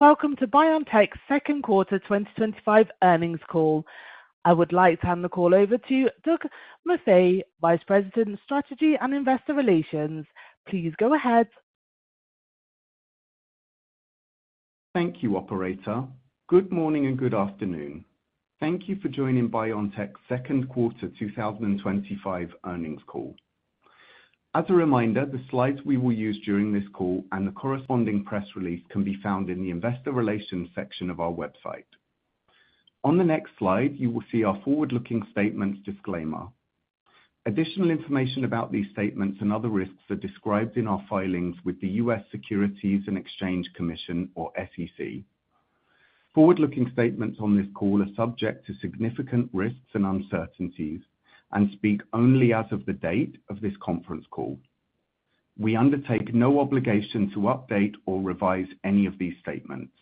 Welcome to BioNTech's second quarter 2025 earnings call. I would like to hand the call over to Douglas Maffei, Vice President, Strategy and Investor Relations. Please go ahead. Thank you, operator. Good morning and good afternoon. Thank you for joining BioNTech's second quarter 2025 earnings call. As a reminder, the slides we will use during this call and the corresponding press release can be found in the Investor Relations section of our website. On the next slide, you will see our forward-looking statements disclaimer. Additional information about these statements and other risks are described in our filings with the U.S. Securities and Exchange Commission, or SEC. Forward-looking statements on this call are subject to significant risks and uncertainties and speak only as of the date of this conference call. We undertake no obligation to update or revise any of these statements.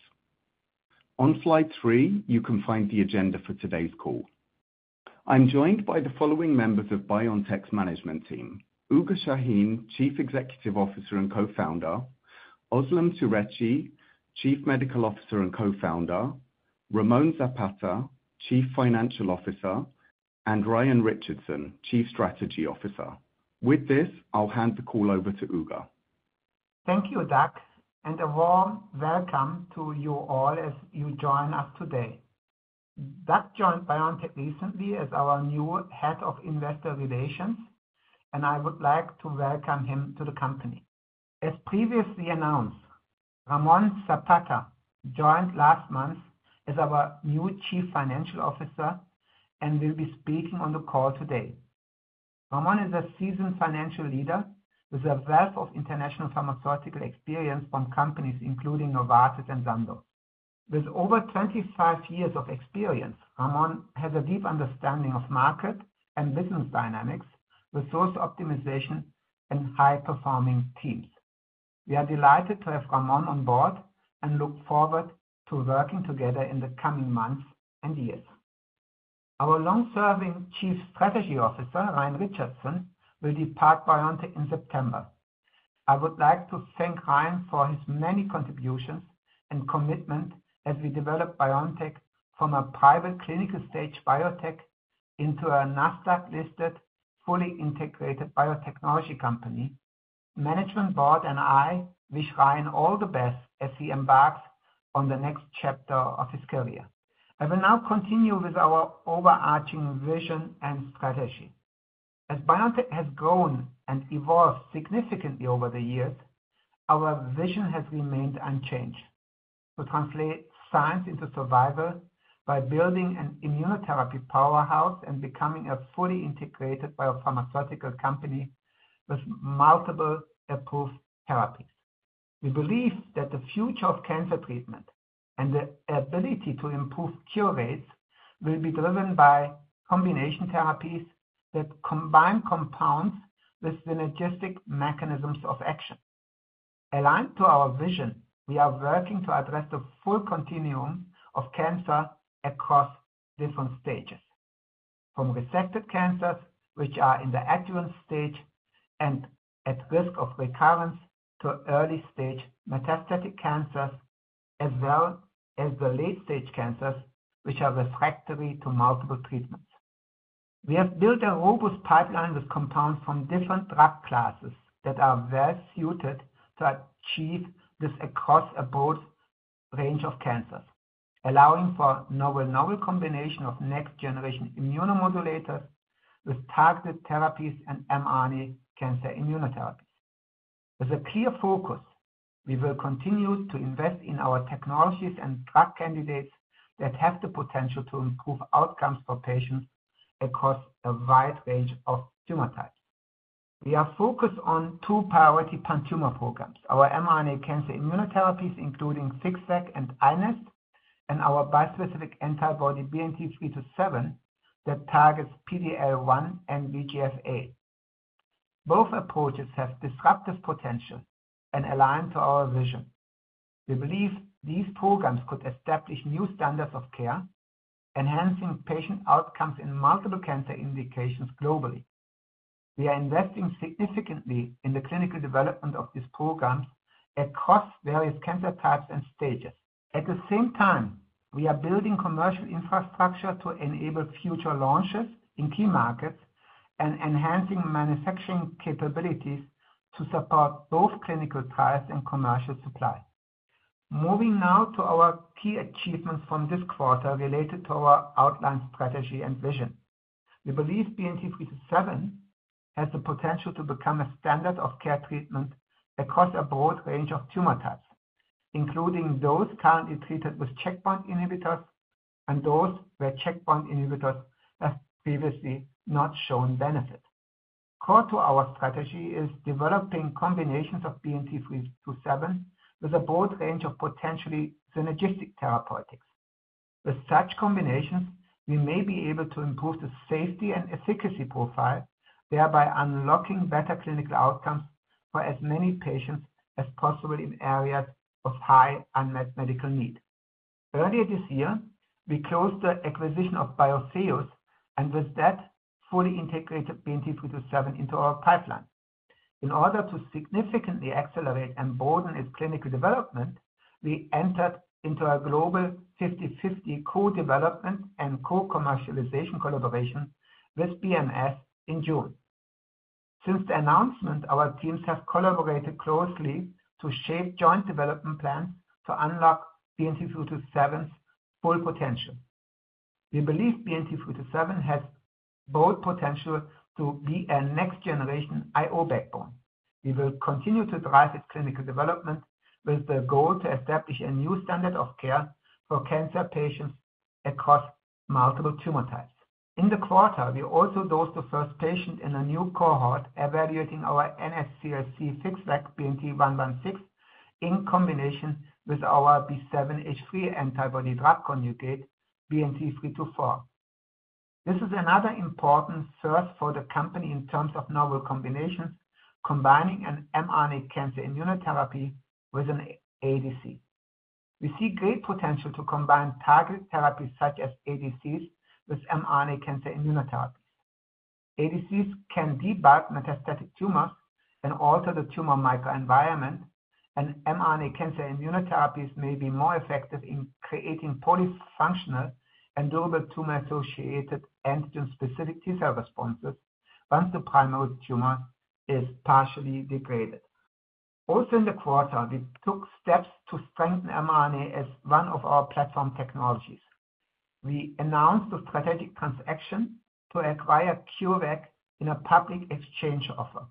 On slide three, you can find the agenda for today's call. I'm joined by the following members of BioNTech's management team: Ugur Sahin, Chief Executive Officer and Co-Founder, Özlem Türeci, Chief Medical Officer and Co-Founder, Ramón Zapata, Chief Financial Officer, and Ryan Richardson, Chief Strategy Officer. With this, I'll hand the call over to Ugur. Thank you, Doug. A warm welcome to you all as you join us today. Doug joined BioNTech recently as our new Head of Investor Relations, and I would like to welcome him to the company. As previously announced, Ramón Zapata joined last month as our new Chief Financial Officer and will be speaking on the call today. Ramón is a seasoned financial leader with a wealth of international pharmaceutical experience from companies including Novartis and Sandoz.. With over 25 years of experience, Ramón has a deep understanding of market and business dynamics, resource optimization, and high-performing teams. We are delighted to have Ramón on board and look forward to working together in the coming months and years. Our long-serving Chief Strategy Officer, Ryan Richardson, will depart BioNTech in September. I would like to thank Ryan for his many contributions and commitment as we develop BioNTech from a private clinical stage biotech into a Nasdaq-listed, fully integrated biotechnology company. The management board and I wish Ryan all the best as he embarks on the next chapter of his career. I will now continue with our overarching vision and strategy. As BioNTech has grown and evolved significantly over the years, our vision has remained unchanged: to translate science into survival by building an immunotherapy powerhouse and becoming a fully integrated biopharmaceutical company with multiple approved therapies. We believe that the future of cancer treatment and the ability to improve cure rates will be driven by combination therapies that combine compounds with synergistic mechanisms of action. Aligned to our vision, we are working to address the full continuum of cancer across different stages, from resected cancers which are in the adjuvant stage and at risk of recurrence to early-stage metastatic cancers, as well as the late-stage cancers which are refractory to multiple treatments. We have built a robust pipeline with compounds from different drug classes that are well-suited to achieve this across a broad range of cancers, allowing for a novel combination of next-generation immunomodulators with targeted therapies and mRNA cancer immunotherapies. With a clear focus, we will continue to invest in our technologies and drug candidates that have the potential to improve outcomes for patients across a wide range of tumor types. We are focused on two priority pan-tumor programs: our mRNA cancer immunotherapies, including FixVac and iNeST, and our bispecific antibody BNT327 that targets PD-L1 and VEGF-A. Both approaches have disruptive potential and align to our vision. We believe these programs could establish new standards of care, enhancing patient outcomes in multiple cancer indications globally. We are investing significantly in the clinical development of these programs across various cancer types and stages. At the same time, we are building commercial infrastructure to enable future launches in key markets and enhancing manufacturing capabilities to support both clinical trials and commercial supply. Moving now to our key achievements from this quarter related to our outlined strategy and vision. We believe BNT327 has the potential to become a standard of care treatment across a broad range of tumor types, including those currently treated with checkpoint inhibitors and those where checkpoint inhibitors have previously not shown benefit. Core to our strategy is developing combinations of BNT327 with a broad range of potentially synergistic therapeutics. With such combinations, we may be able to improve the safety and efficacy profile, thereby unlocking better clinical outcomes for as many patients as possible in areas of high unmet medical need. Earlier this year, we closed the acquisition of Biofuse, and with that, fully integrated BNT327 into our pipeline. In order to significantly accelerate and broaden its clinical development, we entered into a global 50-50 co-development and co-commercialization collaboration with BMS in June. Since the announcement, our teams have collaborated closely to shape joint development plans to unlock BNT327's full potential. We believe BNT327 has both potential to be a next-generation IO backbone. We will continue to drive its clinical development with the goal to establish a new standard of care for cancer patients across multiple tumor types. In the quarter, we also launched the first patient in a new cohort, evaluating our NSCLC FixVac BNT116 in combination with our B7-H3 antibody drug conjugate BNT324. This is another important first for the company in terms of novel combinations, combining an mRNA cancer immunotherapy with an ADC. We see great potential to combine targeted therapies such as ADCs with mRNA cancer immunotherapy. ADCs can debug metastatic tumors and alter the tumor microenvironment, and mRNA cancer immunotherapies may be more effective in creating polyfunctional and durable tumor-associated antigen-specific T-cell responses once the primary tumor is partially degraded. Also in the quarter, we took steps to strengthen mRNA as one of our platform technologies. We announced a strategic transaction to acquire CureVac in a public exchange offer.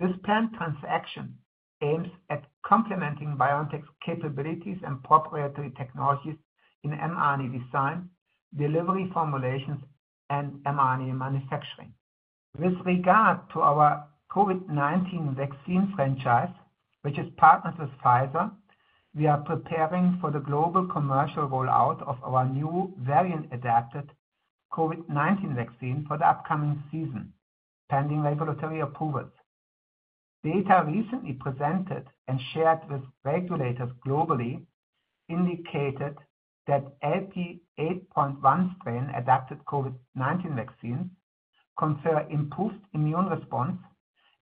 This planned transaction aims at complementing BioNTech's capabilities and proprietary technologies in mRNA design, delivery formulations, and mRNA manufacturing. With regard to our COVID-19 vaccine franchise, which is partnered with Pfizer, we are preparing for the global commercial rollout of our new variant-adapted COVID-19 vaccine for the upcoming season, pending regulatory approvals. Data recently presented and shared with regulators globally indicated that LP8.1 strain-adapted COVID-19 vaccines confer improved immune response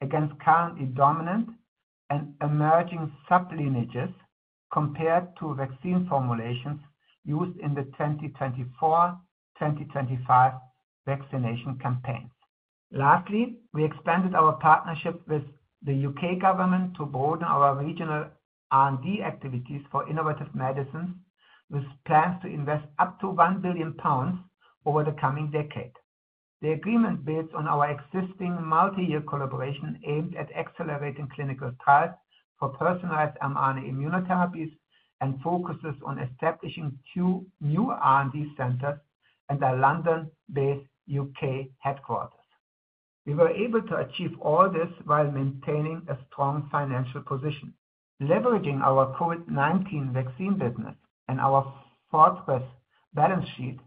against currently dominant and emerging sub-lineages compared to vaccine formulations used in the 2024-2025 vaccination campaign. Lastly, we expanded our partnership with the U.K. government to broaden our regional R&D activities for innovative medicines, with plans to invest up to billion pounds over the coming decade. The agreement builds on our existing multi-year collaboration aimed at accelerating clinical trials for personalized mRNA immunotherapies and focuses on establishing two new R&D centers and a London-based U.K. headquarters. We were able to achieve all this while maintaining a strong financial position. Leveraging our COVID-19 vaccine business and our fortress balance sheet,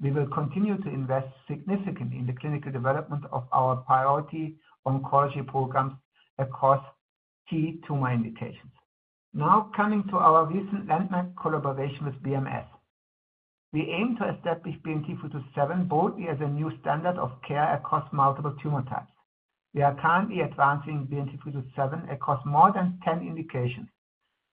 we will continue to invest significantly in the clinical development of our priority oncology programs across key tumor indications. Now, coming to our recent landmark collaboration with BMS. We aim to establish BNT327 broadly as a new standard of care across multiple tumor types. We are currently advancing BNT327 across more than 10 indications,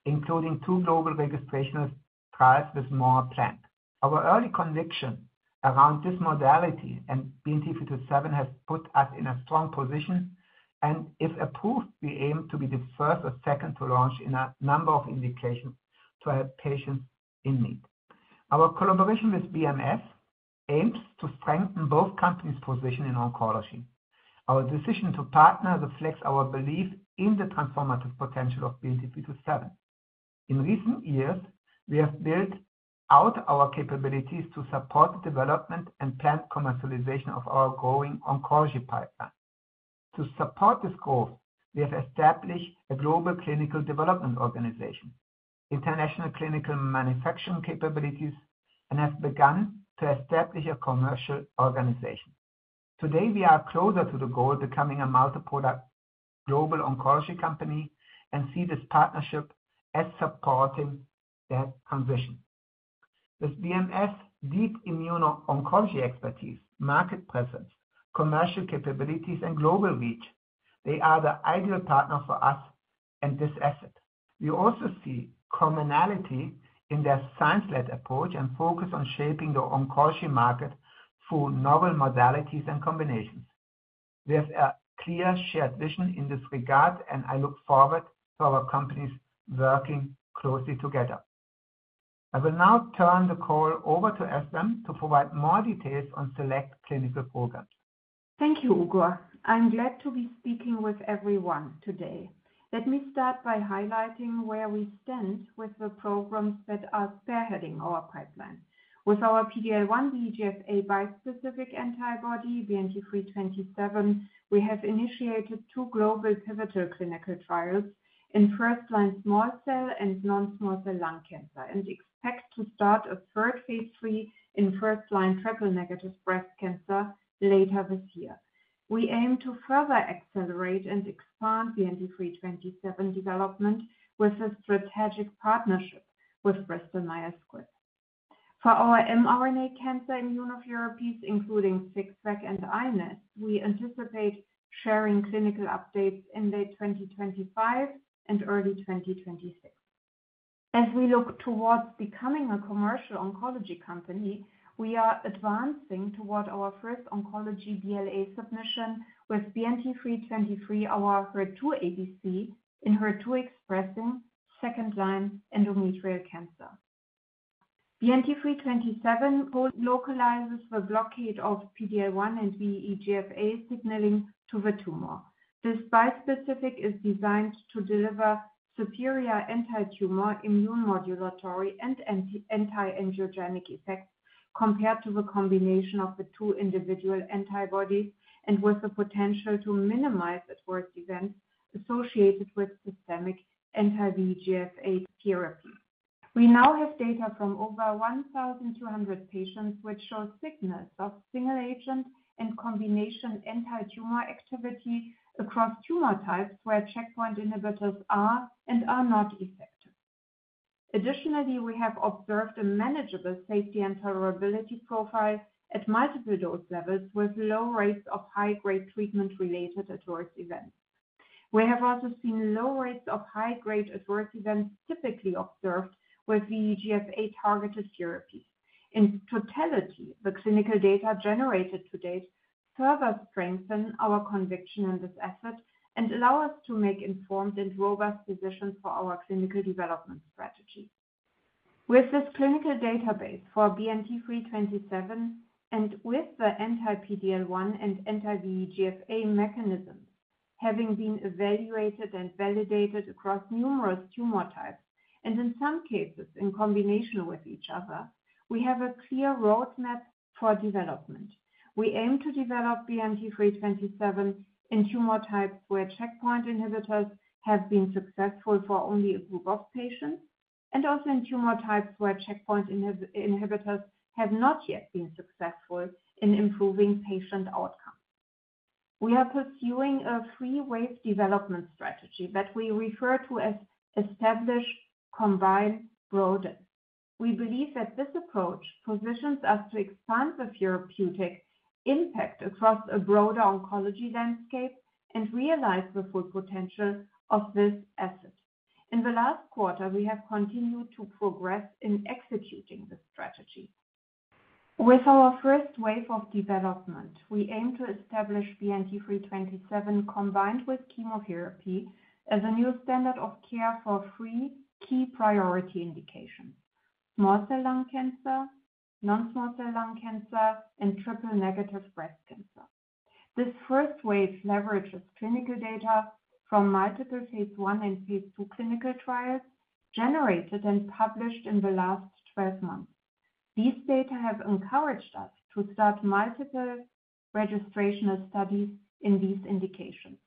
including two global registration trials with more planned. Our early conviction around this modality and BNT327 has put us in a strong position, and if approved, we aim to be the first or second to launch in a number of indications to help patients in need. Our collaboration with BMS aims to strengthen both companies' positions in oncology. Our decision to partner reflects our belief in the transformative potential of BNT327. In recent years, we have built out our capabilities to support the development and planned commercialization of our growing oncology pipeline. To support this growth, we have established a global clinical development organization, international clinical manufacturing capabilities, and have begun to establish a commercial organization. Today, we are closer to the goal of becoming a multi-product global oncology company and see this partnership as supporting that ambition. With BMS deep immuno-oncology expertise, market presence, commercial capabilities, and global reach, they are the ideal partner for us and this asset. We also see commonality in their science-led approach and focus on shaping the oncology market through novel modalities and combinations. We have a clear shared vision in this regard, and I look forward to our companies working closely together. I will now turn the call over to Özlem to provide more details on select clinical programs. Thank you, Ugur. I'm glad to be speaking with everyone today. Let me start by highlighting where we stand with the programs that are spearheading our pipeline. With our PD-L1 VEGF-A bispecific antibody BNT327, we have initiated two global pivotal clinical trials in first-line small cell and non-small cell lung cancer and expect to start a third phase III in first-line triple-negative breast cancer later this year. We aim to further accelerate and expand BNT327 development with a strategic partnership with Bristol Myers Squibb. For our mRNA cancer immunotherapies, including FixVac and iNeST, we anticipate sharing clinical updates in late 2025 and early 2026. As we look towards becoming a commercial oncology company, we are advancing toward our first oncology BLA submission with BNT323, our HER2 ADC in HER2-expressing second-line endometrial cancer. BNT327 localizes the blockade of PD-L1 and VEGF-A signaling to the tumor. This bispecific is designed to deliver superior anti-tumor immune modulatory and anti-angiogenic effects compared to the combination of the two individual antibodies and with the potential to minimize adverse events associated with systemic anti-VEGF-A therapy. We now have data from over 1,200 patients which show signals of single-agent and combination anti-tumor activity across tumor types where checkpoint inhibitors are and are not effective. Additionally, we have observed a manageable safety and tolerability profile at multiple dose levels with low rates of high-grade treatment-related adverse events. We have also seen low rates of high-grade adverse events typically observed with VEGF-A targeted therapies. In totality, the clinical data generated to date further strengthen our conviction on this asset and allow us to make informed and robust decisions for our clinical development strategy. With this clinical database for BNT327 and with the anti-PD-L1 and anti-VEGF-A mechanism having been evaluated and validated across numerous tumor types and in some cases in combination with each other, we have a clear roadmap for development. We aim to develop BNT327 in tumor types where checkpoint inhibitors have been successful for only a group of patients and also in tumor types where checkpoint inhibitors have not yet been successful in improving patient outcomes. We are pursuing a three-way development strategy that we refer to as Establish, Combine, Broaden. We believe that this approach positions us to expand the therapeutic impact across a broader oncology landscape and realize the full potential of this asset. In the last quarter, we have continued to progress in executing this strategy. With our first wave of development, we aim to establish BNT327 combined with chemotherapy as a new standard of care for three key priority indications: small cell lung cancer, non-small cell lung cancer, and triple-negative breast cancer. This first wave leverages clinical data from multiple phase I and phase II clinical trials generated and published in the last 12 months. These data have encouraged us to start multiple registration studies in these indications.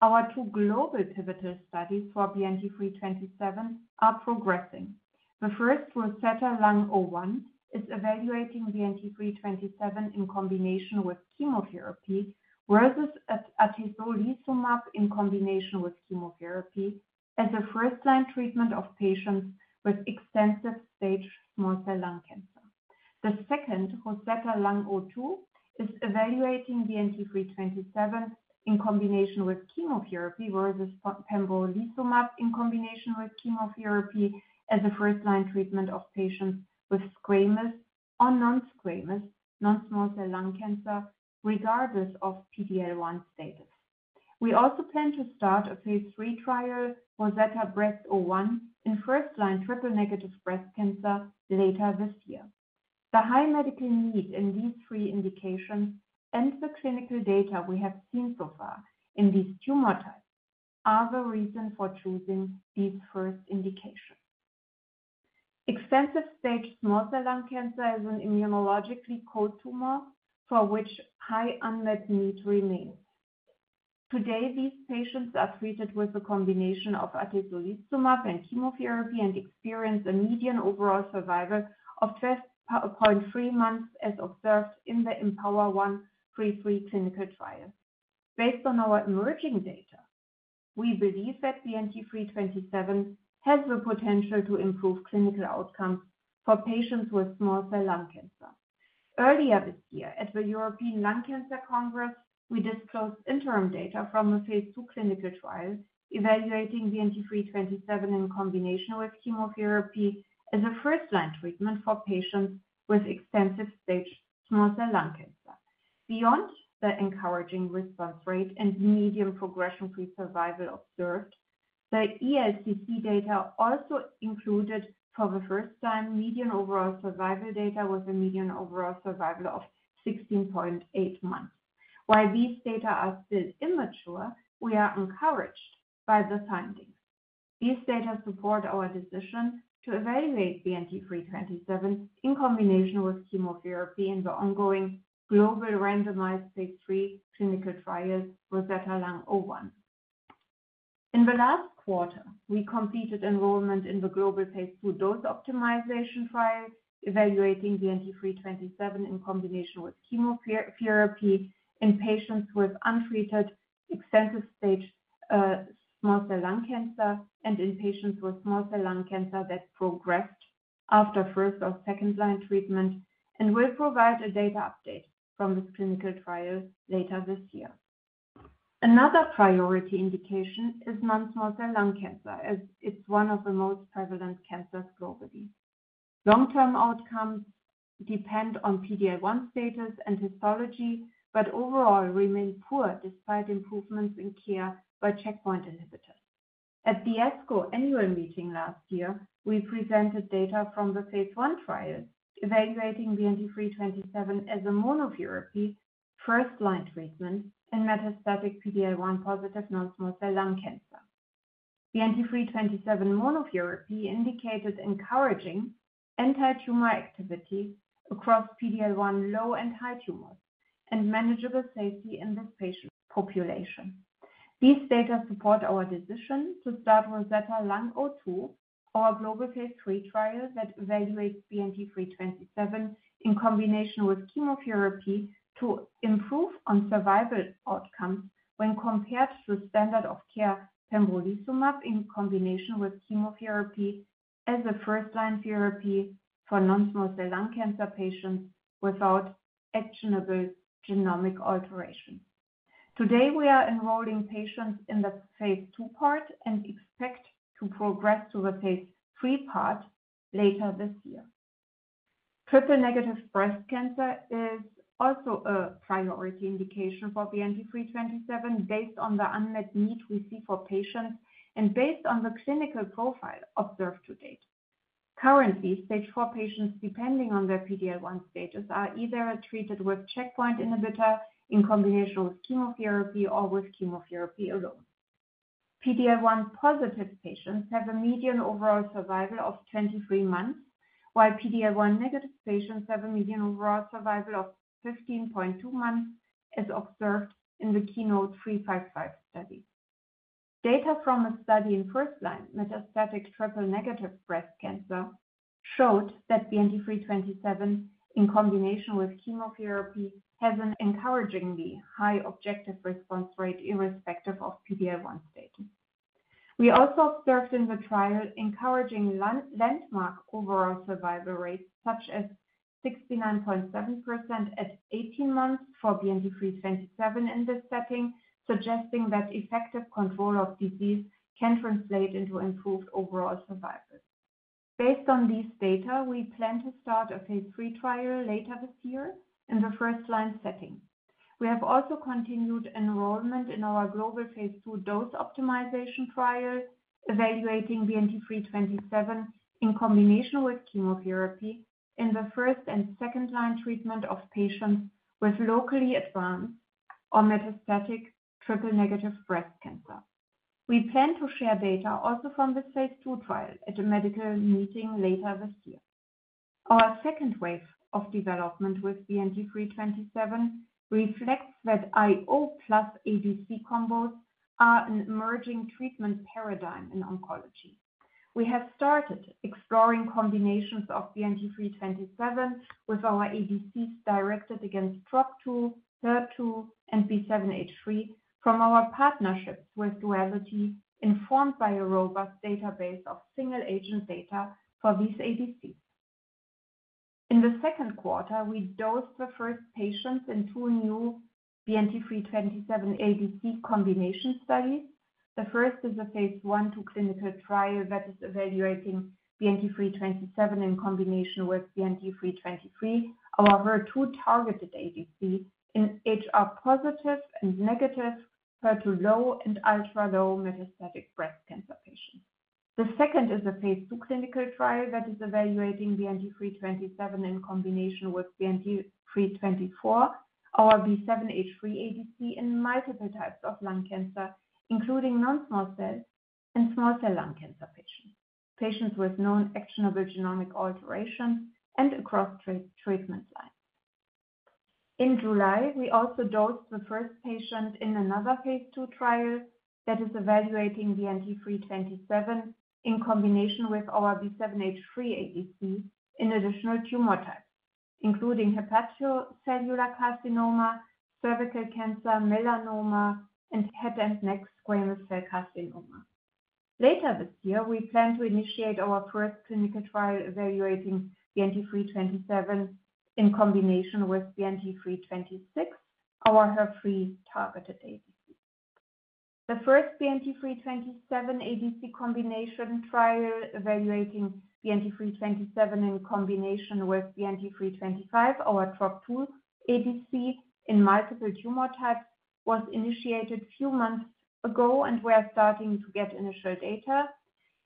Our two global pivotal studies for BNT327 are progressing. The first was ROSETTA Lung-01, evaluating BNT327 in combination with chemotherapy versus atezolizumab in combination with chemotherapy as a first-line treatment of patients with extensive stage small cell lung cancer. The second was Saturlung-02, evaluating BNT327 in combination with chemotherapy versus pembrolizumab in combination with chemotherapy as a first-line treatment of patients with squamous or non-squamous non-small cell lung cancer, regardless of PD-L1 status. We also plan to start a phase III trial ROSETTA Breast-01 in first-line triple-negative breast cancer later this year. The high medical need in these three indications and the clinical data we have seen so far in these tumor types are the reason for choosing these first indications. Extensive stage small cell lung cancer is an immunologically cold tumor for which high unmet need remains. Today, these patients are treated with a combination of atezolizumab and chemotherapy and experience a median overall survival of 12.3 months as observed in the EMPOWER-1 phase III clinical trial. Based on our emerging data, we believe that BNT327 has the potential to improve clinical outcomes for patients with small cell lung cancer. Earlier this year, at the European Lung Cancer Congress, we disclosed interim data from a phase II clinical trial evaluating BNT327 in combination with chemotherapy as a first-line treatment for patients with extensive stage small cell lung cancer. Beyond the encouraging response rate and median progression-free survival observed, the ELCC data also included for the first time median overall survival data with a median overall survival of 16.8 months. While these data are still immature, we are encouraged by the findings. These data support our decision to evaluate BNT327 in combination with chemotherapy in the ongoing global randomized phase III clinical trial for ROSETTA Lung-01. In the last quarter, we completed enrollment in the global phase II dose optimization trial evaluating BNT327 in combination with chemotherapy in patients with untreated extensive stage small cell lung cancer and in patients with small cell lung cancer that progressed after first or second-line treatment and will provide a data update from this clinical trial later this year. Another priority indication is non-small cell lung cancer as it's one of the most prevalent cancers globally. Long-term outcomes depend on PD-L1 status and histology, but overall remain poor despite improvements in care by checkpoint inhibitors. At the ASCO Annual Meeting last year, we presented data from the phase I trial evaluating BNT327 as a monotherapy first-line treatment in metastatic PD-L1 positive non-small cell lung cancer. BNT327 monotherapy indicated encouraging anti-tumor activity across PD-L1 low and high tumors and manageable safety in this patient population. These data support our decision to start with ROSETTA Lung-02 for our global phase III trial that evaluates BNT327 in combination with chemotherapy to improve on survival outcomes when compared to the standard of care pembrolizumab in combination with chemotherapy as a first-line therapy for non-small cell lung cancer patients without actionable genomic alteration. Today, we are enrolling patients in the phase II part and expect to progress to the phase III part later this year. Triple-negative breast cancer is also a priority indication for BNT327 based on the unmet need we see for patients and based on the clinical profile observed to date. Currently, stage 4 patients, depending on their PD-L1 status, are either treated with checkpoint inhibitor in combination with chemotherapy or with chemotherapy alone. PD-L1 positive patients have a median overall survival of 23 months, while PD-L1 negative patients have a median overall survival of 15.2 months as observed in the KEYNOTE 355 study. Data from a study in first-line metastatic triple-negative breast cancer showed that BNT327 in combination with chemotherapy has an encouragingly high objective response rate irrespective of PD-L1 status. We also observed in the trial encouraging landmark overall survival rates such as 69.7% at 18 months for BNT327 in this setting, suggesting that effective control of disease can translate into improved overall survival. Based on these data, we plan to start a phase III trial later this year in the first-line setting. We have also continued enrollment in our global phase II dose optimization trial evaluating BNT327 in combination with chemotherapy in the first and second-line treatment of patients with locally advanced or metastatic triple-negative breast cancer. We plan to share data also from the phase II trial at a medical meeting later this year. Our second wave of development with BNT327 reflects that IO plus ADC combos are an emerging treatment paradigm in oncology. We have started exploring combinations of BNT327 with our ADCs directed against TROP2, HER2, and B7-H3 from our partnership with Duality, informed by a robust database of single-agent data for these ADCs. In the second quarter, we dosed the first patients in two new BNT327 ADC combination studies. The first is a phase I/II clinical trial that is evaluating BNT327 in combination with BNT323, our two targeted ADCs in HR positive and negative HER2 low and ultra-low metastatic breast cancer patients. The second is a phase II clinical trial that is evaluating BNT327 in combination with BNT324, our B7-H3 ADC in multiple types of lung cancer, including non-small cell and small cell lung cancer patients, patients with known actionable genomic alterations and across treatment lines. In July, we also dosed the first patient in another phase II trial that is evaluating BNT327 in combination with our B7-H3 ADC in additional tumor types, including hepatocellular carcinoma, cervical cancer, melanoma, and head and neck squamous cell carcinoma. Later this year, we plan to initiate our first clinical trial evaluating BNT327 in combination with BNT326, our HER3 targeted ADCs. The first BNT327 ADC combination trial evaluating BNT327 in combination with BNT325, our TROP2 ADC in multiple tumor types, was initiated a few months ago and we are starting to get initial data.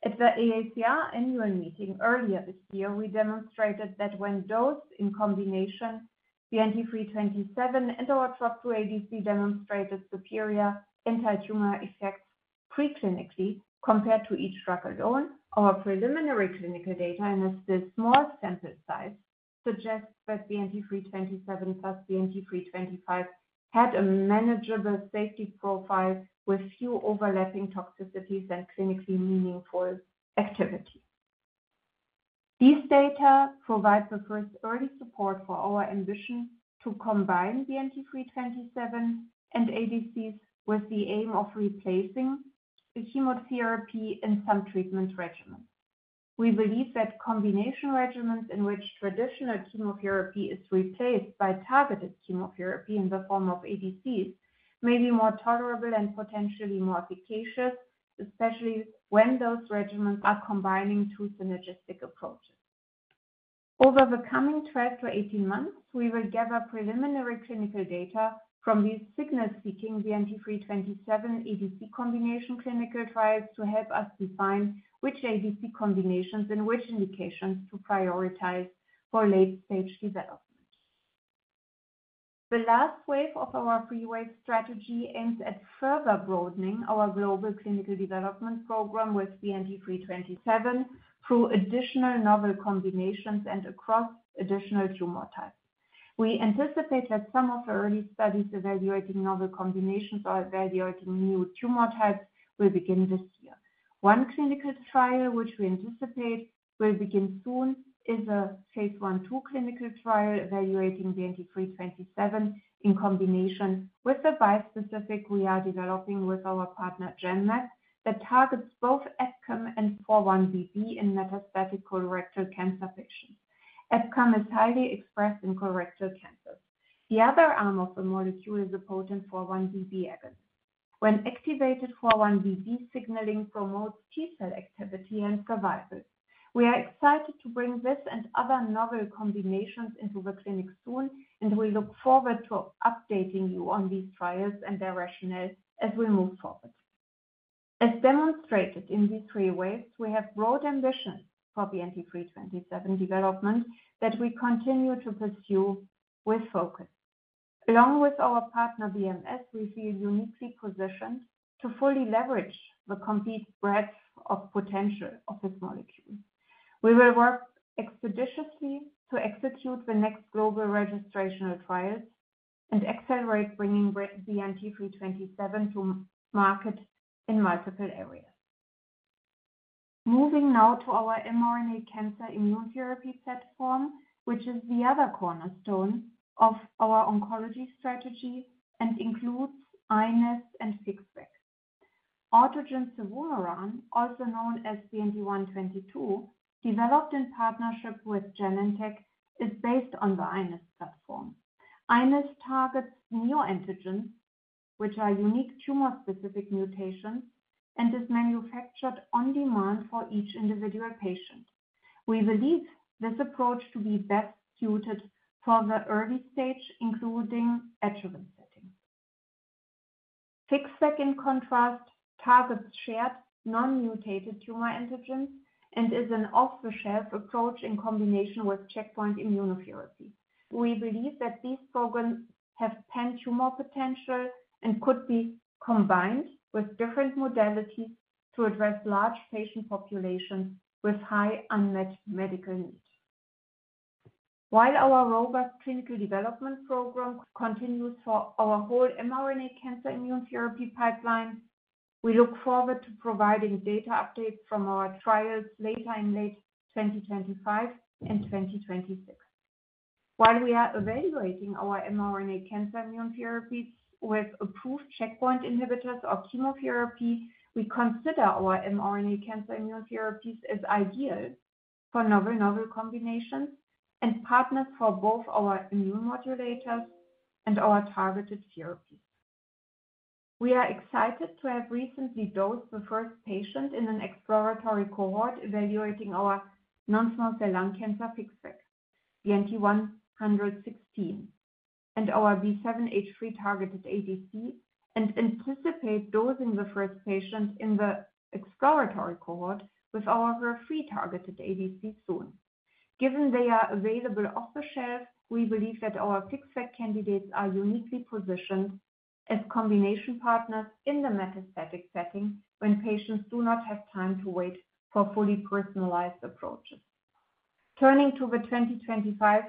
At the AACR annual meeting earlier this year, we demonstrated that when dosed in combination, BNT327 and our TROP2 ADC demonstrated superior anti-tumor effects preclinically compared to each drug alone. Our preliminary clinical data and a small sample size suggest that BNT327 plus BNT325 had a manageable safety profile with few overlapping toxicities and clinically meaningful activity. These data provide the first sturdy support for our ambition to combine BNT327 and antibody-drug conjugates with the aim of replacing the chemotherapy in some treatment regimens. We believe that combination regimens in which traditional chemotherapy is replaced by targeted chemotherapy in the form of antibody-drug conjugates may be more tolerable and potentially more efficacious, especially when those regimens are combining two synergistic approaches. Over the coming 12-18 months, we will gather preliminary clinical data from these signals seeking BNT327 antibody-drug conjugate combination clinical trials to help us define which antibody-drug conjugate combinations and which indications to prioritize for late-stage development. The last wave of our three-way strategy aims at further broadening our global clinical development program with BNT327 through additional novel combinations and across additional tumor types. We anticipate that some of the early studies evaluating novel combinations or evaluating new tumor types will begin this year. One clinical trial which we anticipate will begin soon is a phase I/II clinical trial evaluating BNT327 in combination with a bispecific antibody we are developing with our partner Genmab that targets both EpCAM and 4-1BB in metastatic colorectal cancer patients. EpCAM is highly expressed in colorectal cancers. The other arm of the molecule is a potent 4-1BB agonist. When activated, 4-1BB signaling promotes T-cell activity and survival. We are excited to bring this and other novel combinations into the clinic soon, and we look forward to updating you on these trials and their rationale as we move forward. As demonstrated in these three waves, we have broad ambitions for BNT327 development that we continue to pursue with focus. Along with our partner BMS, we feel uniquely positioned to fully leverage the complete breadth of potential of this molecule. We will work expeditiously to execute the next global registration trials and accelerate bringing BNT327 to market in multiple areas. Moving now to our mRNA cancer immunotherapy platform, which is the other cornerstone of our oncology strategy and includes iNeST and FixVac. Autogene cevumeran, also known as BNT122, developed in partnership with Genentech, is based on the iNeST platform. iNeST targets neoantigens, which are unique tumor-specific mutations, and is manufactured on demand for each individual patient. We believe this approach to be best suited for the early stage, including adjuvant setting. FixVac, in contrast, targets shared non-mutated tumor antigens and is an off-the-shelf approach in combination with checkpoint immunotherapy. We believe that these programs have pan-tumor potential and could be combined with different modalities to address large patient populations with high unmet medical needs. While our robust clinical development program continues for our whole mRNA cancer immunotherapy pipeline, we look forward to providing data updates from our trials later in late 2025 and 2026. While we are evaluating our mRNA cancer immunotherapy with approved checkpoint inhibitors or chemotherapy, we consider our mRNA cancer immunotherapies as ideal for novel combinations and partners for both our immune modulators and our targeted therapy. We are excited to have recently dosed the first patient in an exploratory cohort evaluating our non-small cell lung cancer FixVac, BNT116, and our B7-H3 targeted ADCs, and anticipate dosing the first patient in the exploratory cohort with our HER3 targeted ADC soon. Given they are available off-the-shelf, we believe that our FixVac candidates are uniquely positioned as combination partners in the metastatic setting when patients do not have time to wait for fully personalized approaches. Turning to the 2025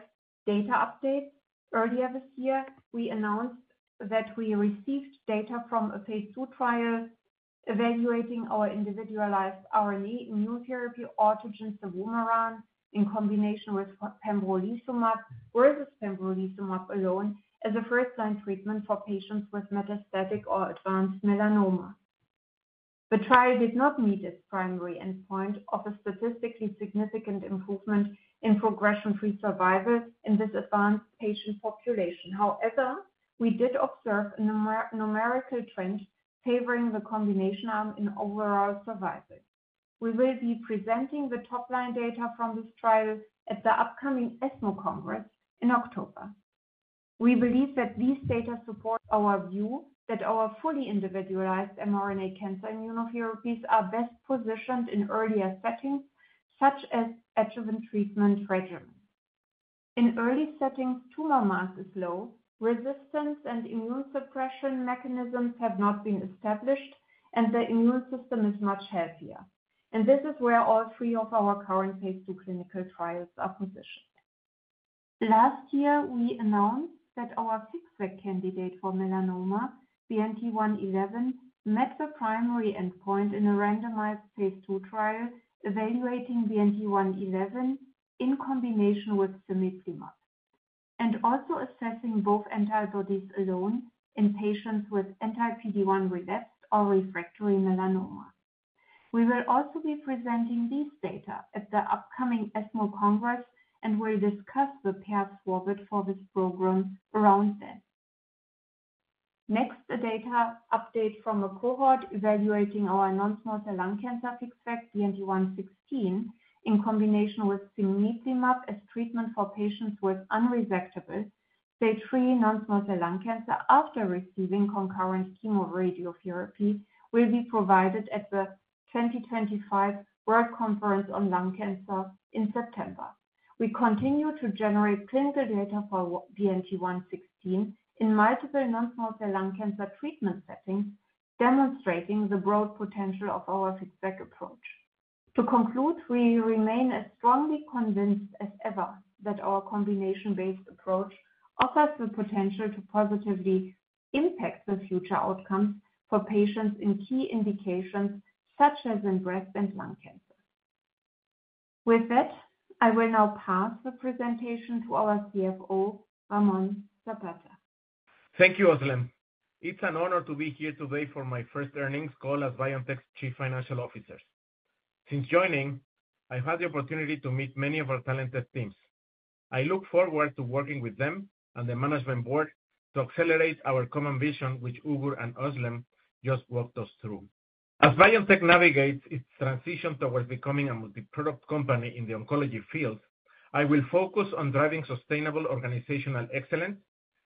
data update, earlier this year, we announced that we received data from a phase II trial evaluating our individualized RNA immunotherapy autogen cevumeran, in combination with pembrolizumab versus pembrolizumab alone, as a first-line treatment for patients with metastatic or advanced melanoma. The trial did not meet its primary endpoint of a statistically significant improvement in progression-free survival in this advanced patient population. However, we did observe a numerical trend favoring the combination arm in overall survival. We will be presenting the top-line data from this trial at the upcoming ESMO Congress in October. We believe that these data support our view that our fully individualized mRNA cancer immunotherapies are best positioned in earlier settings, such as adjuvant treatment regimens. In early settings, tumor mass is low, resistance and immune suppression mechanisms have not been established, and the immune system is much healthier. This is where all three of our current phase II clinical trials are positioned. Last year, we announced that our FixVac candidate for melanoma, BNT111, met the primary endpoint in a randomized phase II trial evaluating BNT111 in combination with cimiclimab and also assessing both antibodies alone in patients with anti-PD-1 resistant or refractory melanoma. We will also be presenting these data at the upcoming ESMO Congress and will discuss the path forward for this program around then. Next, a data update from a cohort evaluating our non-small cell lung cancer FixVac, BNT116, in combination with cimiclimab as treatment for patients with unresectable stage 3 non-small cell lung cancer after receiving concurrent chemoradiotherapy, will be provided at the 2025 World Conference on Lung Cancer in September. We continue to generate clinical data for BNT116 in multiple non-small cell lung cancer treatment settings, demonstrating the broad potential of our FixVac approach. To conclude, we remain as strongly convinced as ever that our combination-based approach offers the potential to positively impact the future outcomes for patients in key indications such as in breast and lung cancer. With that, I will now pass the presentation to our CFO, Ramón Zapata. Thank you, Özlem, It's an honor to be here today for my first earnings call as BioNTech's Chief Financial Officer. Since joining, I've had the opportunity to meet many of our talented teams. I look forward to working with them and the management board to accelerate our common vision, which Ugur and Ramón just walked us through. As BioNTech navigates its transition towards becoming a multi-product oncology leader, I will focus on driving sustainable organizational excellence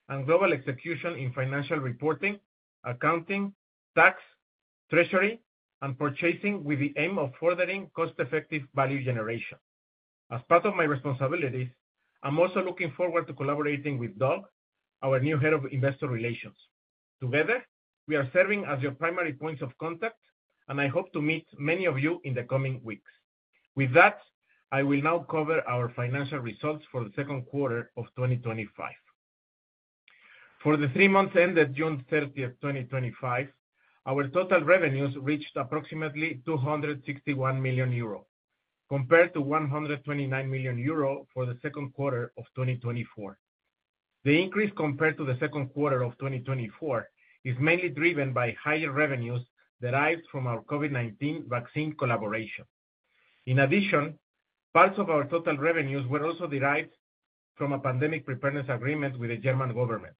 and global execution in financial reporting, accounting, tax, treasury, and purchasing with the aim of furthering cost-effective value generation. As part of my responsibilities, I'm also looking forward to collaborating with Doug, our new Head of Investor Relations. Together, we are serving as your primary points of contact, and I hope to meet many of you in the coming weeks. With that, I will now cover our financial results for the second quarter of 2025. For the three months ended June 30, 2025, our total revenues reached approximately €261 million, compared to €129 million for the second quarter of 2024. The increase compared to the second quarter of 2024 is mainly driven by higher revenues derived from our COVID-19 vaccine collaboration. In addition, parts of our total revenues were also derived from a pandemic preparedness agreement with the German government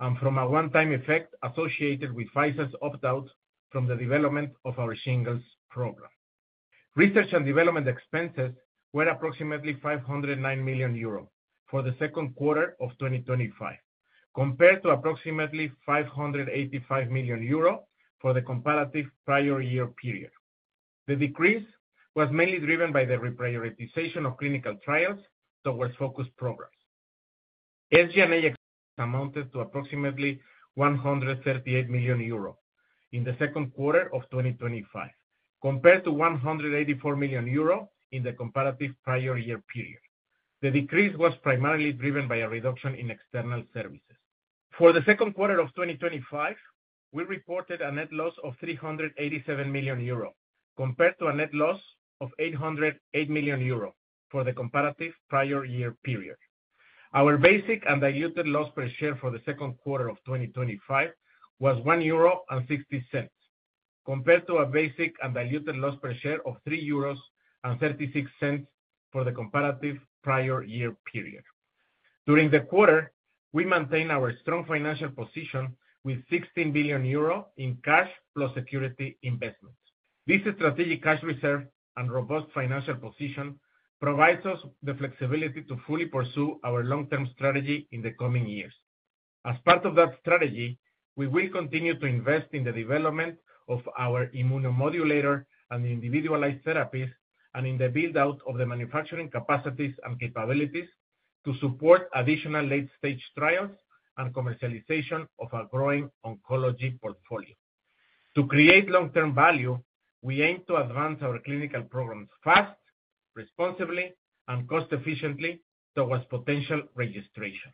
and from a one-time effect associated with Pfizer's opt-out from the development of our shingles program. Research and development expenses were approximately €509 million for the second quarter of 2025, compared to approximately €585 million for the comparative prior year period. The decrease was mainly driven by the reprioritization of clinical trials towards focused programs. SG&A amounted to approximately €138 million in the second quarter of 2025, compared to €184 million in the comparative prior year period. The decrease was primarily driven by a reduction in external services. For the second quarter of 2025, we reported a net loss of €387 million, compared to a net loss of €808 million for the comparative prior year period. Our basic and diluted loss per share for the second quarter of 2025 was €1.60, compared to a basic and diluted loss per share of €3.36 for the comparative prior year period. During the quarter, we maintained our strong financial position with €16 billion in cash plus security investments. This strategic cash reserve and robust financial position provide us the flexibility to fully pursue our long-term strategy in the coming years. As part of that strategy, we will continue to invest in the development of our immunomodulator and individualized therapies and in the build-out of the manufacturing capacities and capabilities to support additional late-stage trials and commercialization of our growing oncology portfolio. To create long-term value, we aim to advance our clinical programs fast, responsibly, and cost-efficiently towards potential registration.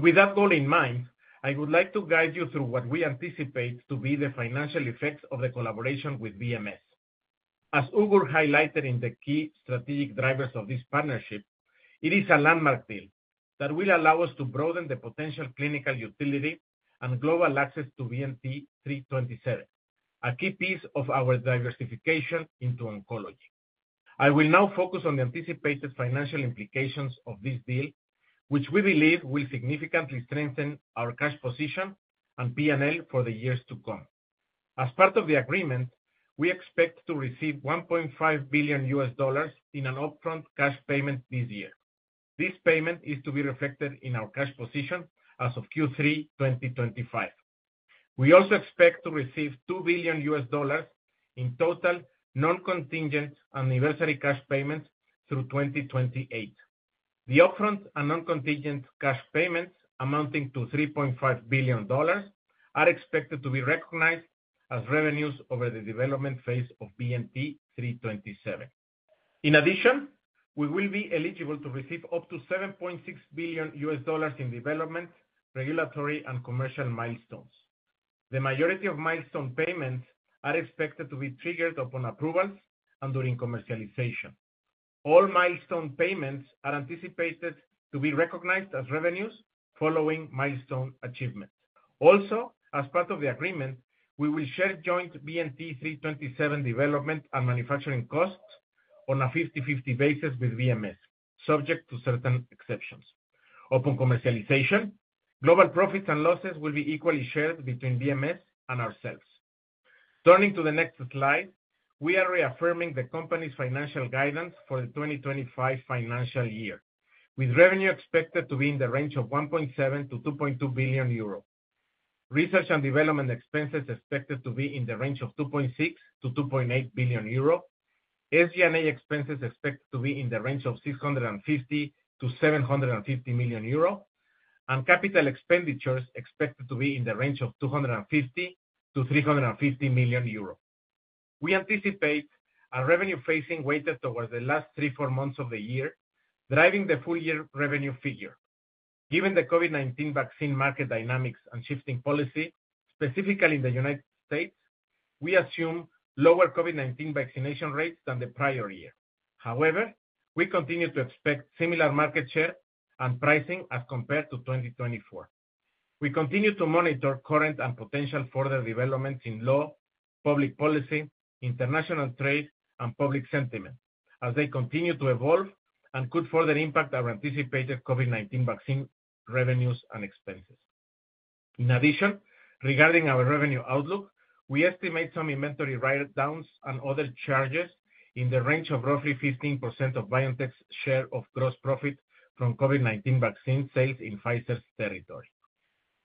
With that goal in mind, I would like to guide you through what we anticipate to be the financial effects of the collaboration with BMS. As Ugur highlighted in the key strategic drivers of this partnership, it is a landmark deal that will allow us to broaden the potential clinical utility and global access to BNT327, a key piece of our diversification into oncology. I will now focus on the anticipated financial implications of this deal, which we believe will significantly strengthen our cash position and P&L for the years to come. As part of the agreement, we expect to receive $1.5 billion in an upfront cash payment this year. This payment is to be reflected in our cash position as of Q3 2025. We also expect to receive $2 billion in total non-contingent anniversary cash payments through 2028. The upfront and non-contingent cash payments amounting to $3.5 billion are expected to be recognized as revenues over the development phase of BNT327. In addition, we will be eligible to receive up to $7.6 billion in development, regulatory, and commercial milestones. The majority of milestone payments are expected to be triggered upon approvals and during commercialization. All milestone payments are anticipated to be recognized as revenues following milestone achievement. Also, as part of the agreement, we will share joint BNT327 development and manufacturing costs on a 50-50 basis with BMS, subject to certain exceptions. Upon commercialization, global profits and losses will be equally shared between BMS and ourselves. Turning to the next slide, we are reaffirming the company's financial guidance for the 2025 financial year, with revenue expected to be in the range of €1.7 billion-€2.2 billion. Research and development expenses expected to be in the range of €2.6 billion-€2.8 billion. SG&A expenses expected to be in the range of €650 million-€750 million, and capital expenditures expected to be in the range of €250 million-€350 million. We anticipate a revenue phasing weighted towards the last three to four months of the year, driving the full-year revenue figure. Given the COVID-19 vaccine market dynamics and shifting policy, specifically in the United States., we assume lower COVID-19 vaccination rates than the prior year. However, we continue to expect similar market share and pricing as compared to 2024. We continue to monitor current and potential further developments in law, public policy, international trade, and public sentiment as they continue to evolve and could further impact our anticipated COVID-19 vaccine revenues and expenses. In addition, regarding our revenue outlook, we estimate some inventory write-downs and other charges in the range of roughly 15% of BioNTech's share of gross profit from COVID-19 vaccine sales in Pfizer's territory.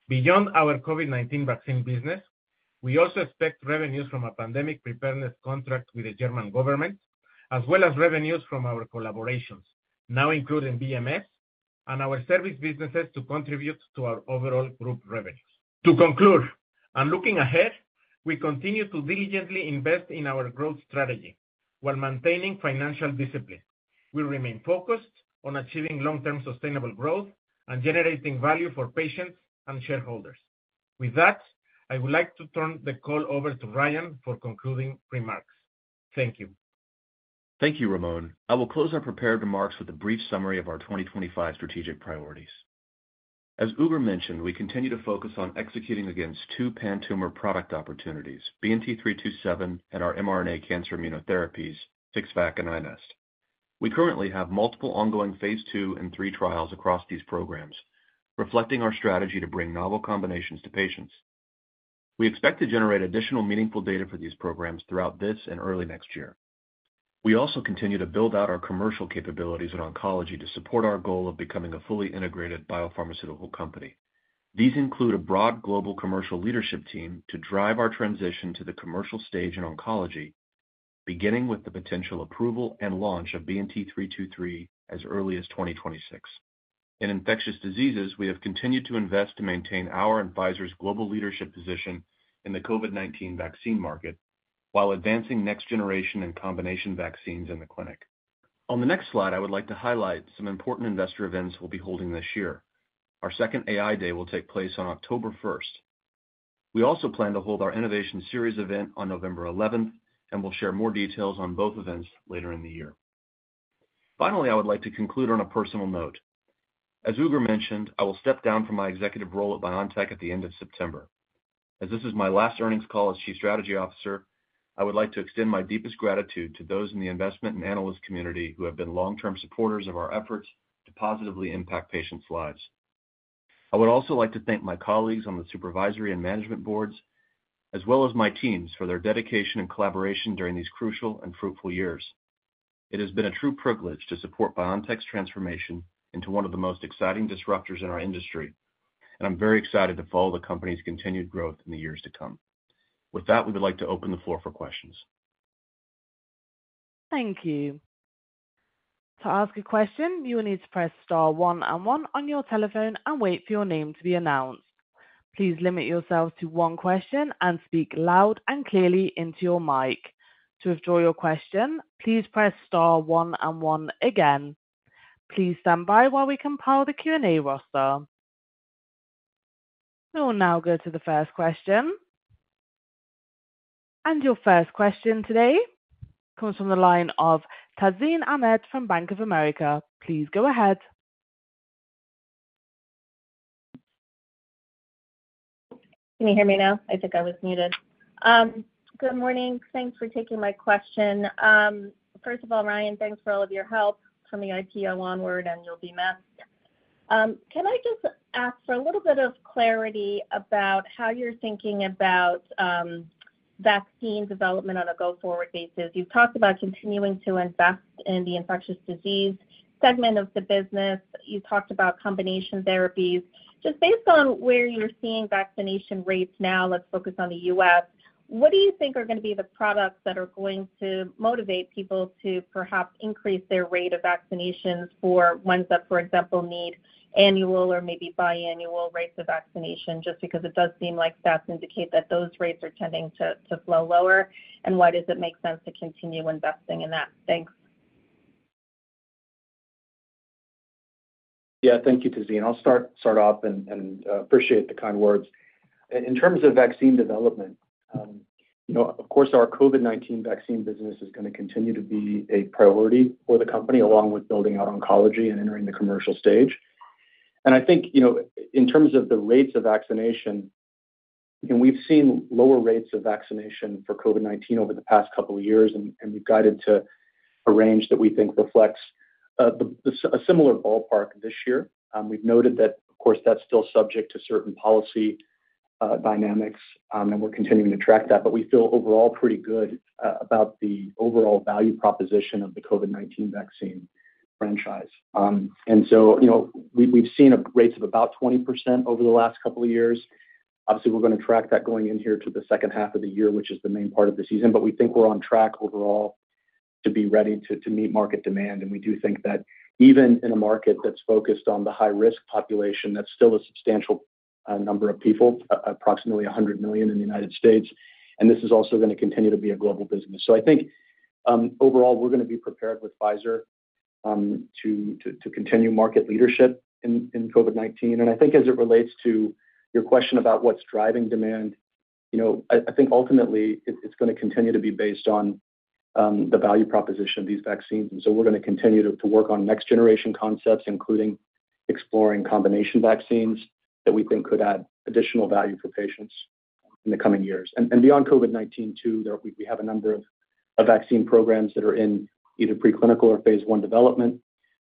Beyond our COVID-19 vaccine business, we also expect revenues from a pandemic preparedness contract with the German government, as well as revenues from our collaborations, now including BMS, and our service businesses to contribute to our overall group revenues. To conclude, and looking ahead, we continue to diligently invest in our growth strategy while maintaining financial discipline. We remain focused on achieving long-term sustainable growth and generating value for patients and shareholders. With that, I would like to turn the call over to Ryan for concluding remarks. Thank you. Thank you, Ramón. I will close our prepared remarks with a brief summary of our 2025 strategic priorities. As Ugur mentioned, we continue to focus on executing against two pan-tumor product opportunities, BNT327 and our mRNA cancer immunotherapies, FixVac and iNeST. We currently have multiple ongoing phase II and III trials across these programs, reflecting our strategy to bring novel combinations to patients. We expect to generate additional meaningful data for these programs throughout this and early next year. We also continue to build out our commercial capabilities in oncology to support our goal of becoming a fully integrated biopharmaceutical company. These include a broad global commercial leadership team to drive our transition to the commercial stage in oncology, beginning with the potential approval and launch of BNT327 as early as 2026. In infectious diseases, we have continued to invest to maintain our and Pfizer's global leadership position in the COVID-19 vaccine market while advancing next-generation and combination vaccines in the clinic. On the next slide, I would like to highlight some important investor events we'll be holding this year. Our second AI Day will take place on October 1st. We also plan to hold our Innovation Series event on November 11, and we'll share more details on both events later in the year. Finally, I would like to conclude on a personal note. As Ugur mentioned, I will step down from my executive role at BioNTech at the end of September. As this is my last earnings call as Chief Strategy Officer, I would like to extend my deepest gratitude to those in the investment and analyst community who have been long-term supporters of our efforts to positively impact patients' lives. I would also like to thank my colleagues on the Supervisory and Management Boards, as well as my teams, for their dedication and collaboration during these crucial and fruitful years. It has been a true privilege to support BioNTech's transformation into one of the most exciting disruptors in our industry, and I'm very excited to follow the company's continued growth in the years to come. With that, we would like to open the floor for questions. Thank you. To ask a question, you will need to press star, one and one on your telephone and wait for your name to be announced. Please limit yourself to one question and speak loud and clearly into your mic. To withdraw your question, please press star one and one again. Please stand by while we compile the Q&A roster. We will now go to the first question. Your first question today comes from the line of Tazeen Ahmad from Bank of America. Please go ahead. Can you hear me now? I think I was muted. Good morning. Thanks for taking my question. First of all, Ryan, thanks for all of your help from the IPO onward, and you'll be missed. Can I just ask for a little bit of clarity about how you're thinking about vaccine development on a go-forward basis? You've talked about continuing to invest in the infectious disease segment of the business. You've talked about combination therapies. Just based on where you're seeing vaccination rates now, let's focus on the U.S. What do you think are going to be the products that are going to motivate people to perhaps increase their rate of vaccinations for ones that, for example, need annual or maybe biannual rates of vaccination, just because it does seem like stats indicate that those rates are tending to flow lower? Why does it make sense to continue investing in that? Thanks. Thank you, Tazeen. I'll start off and appreciate the kind words. In terms of vaccine development, of course, our COVID-19 vaccine business is going to continue to be a priority for the company, along with building out oncology and entering the commercial stage. I think, in terms of the rates of vaccination, we've seen lower rates of vaccination for COVID-19 over the past couple of years, and we've guided to a range that we think reflects a similar ballpark this year. We've noted that that's still subject to certain policy dynamics, and we're continuing to track that. We feel overall pretty good about the overall value proposition of the COVID-19 vaccine franchise. We've seen rates of about 20% over the last couple of years. Obviously, we're going to track that going in here to the second half of the year, which is the main part of the season. We think we're on track overall to be ready to meet market demand. We do think that even in a market that's focused on the high-risk population, that's still a substantial number of people, approximately 100 million in the United States. This is also going to continue to be a global business. I think, overall, we're going to be prepared with Pfizer to continue market leadership in COVID-19. I think as it relates to your question about what's driving demand, ultimately it's going to continue to be based on the value proposition of these vaccines. We're going to continue to work on next-generation concepts, including exploring combination vaccines that we think could add additional value for patients in the coming years. Beyond COVID-19, too, we have a number of vaccine programs that are in either preclinical or phase I development.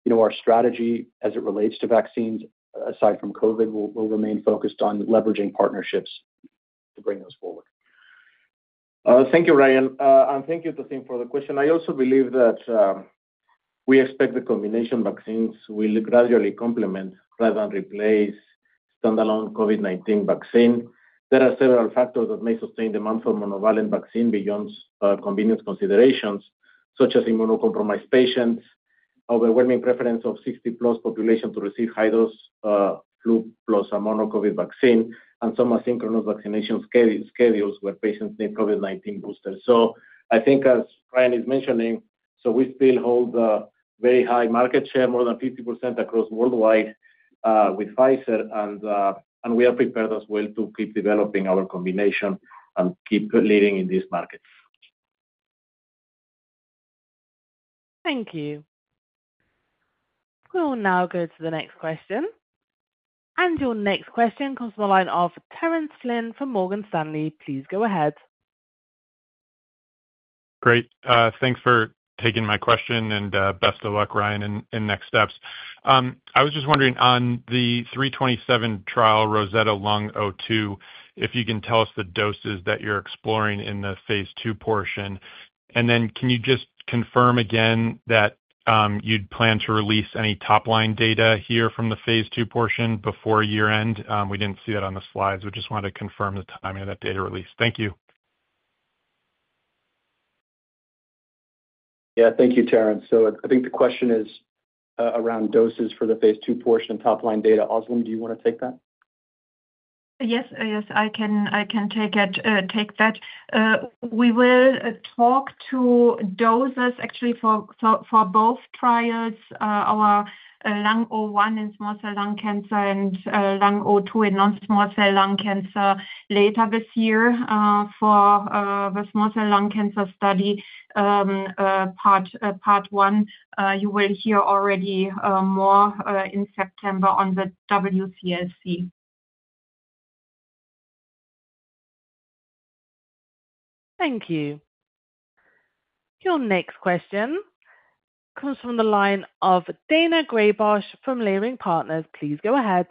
Our strategy as it relates to vaccines, aside from COVID, will remain focused on leveraging partnerships to bring those forward. Thank you, Ryan. Thank you, Tazeen, for the question. I also believe that we expect the combination vaccines will gradually complement rather than replace standalone COVID-19 vaccines. There are several factors that may sustain the monoclonal vaccine beyond convenience considerations, such as immunocompromised patients, overwhelming preference of 60+ population to receive high-dose flu plus a mono COVID vaccine, and some asynchronous vaccination schedules where patients need COVID-19 boosters. I think, as Ryan is mentioning, we still hold a very high market share, more than 50% worldwide, with Pfizer. We are prepared as well to keep developing our combination and keep leading in these markets. Thank you. We will now go to the next question. Your next question comes from a line of Terence Flynn from Morgan Stanley. Please go ahead. Great. Thanks for taking my question and best of luck, Ryan, in next steps. I was just wondering, on the 327 trial ROSETTA Lung-02, if you can tell us the doses that you're exploring in the phase II portion. Can you just confirm again that you'd plan to release any top-line data here from the phase II portion before year end? We didn't see that on the slides. We just wanted to confirm the timing of that data release. Thank you. Thank you, Terence. I think the question is around doses for the phase II portion and top-line data. Özlem, do you want to take that? Yes, I can take that. We will talk to doses actually for both trials, our Lung-01 in small cell lung cancer and Lung-02 in non-small cell lung cancer later this year. For the small cell lung cancer study, part one, you will hear already more in September on the WCLC. Thank you. Your next question comes from the line of Daina Graybosch from Leerink Partners. Please go ahead.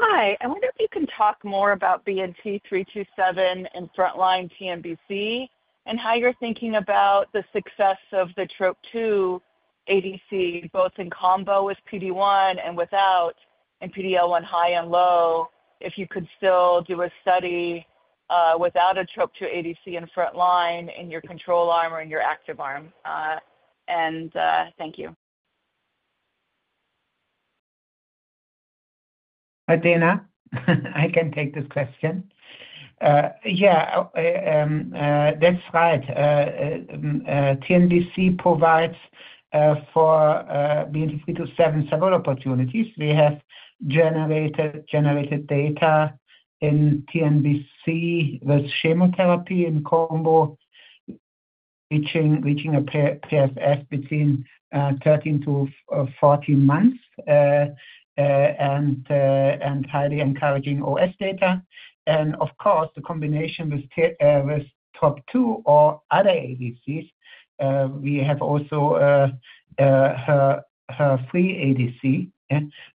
Hi. I wonder if you can talk more about BNT327 in front-line TNBC and how you're thinking about the success of the TROP2 ADC, both in combo with PD-1 and without, and PD-L1 high and low, if you could still do a study without a TROP2 ADC in front-line in your control arm or in your active arm. Thank you. Hi, Daina. I can take this question. Yeah, that's right. TNBC provides for BNT327 several opportunities. We have generated data in TNBC with chemotherapy in combo, reaching a PFS between 13-14 months and highly encouraging OS data. Of course, the combination with TROP2 or other ADCs, we have also HER-free ADC,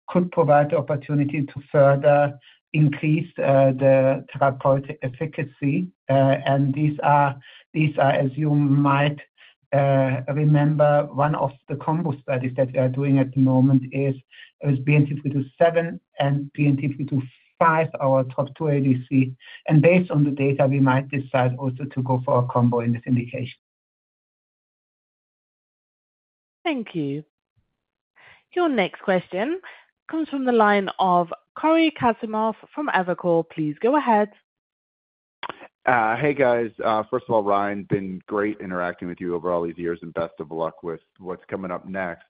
could provide the opportunity to further increase the therapeutic efficacy. These are, as you might remember, one of the combo studies that we are doing at the moment is BNT327 and BNT325, our TROP2 ADC. Based on the data, we might decide also to go for a combo in this indication. Thank you. Your next question comes from the line of Cory Kasimov from Evercore. Please go ahead. Hey, guys. First of all, Ryan, been great interacting with you over all these years and best of luck with what's coming up next.